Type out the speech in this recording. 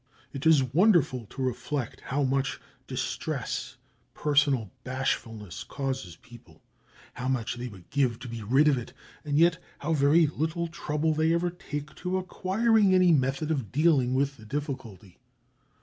It is wonderful to reflect how much distress personal bashfulness causes people, how much they would give to be rid of it, and yet how very little trouble they ever take to acquiring any method of dealing with the difficulty.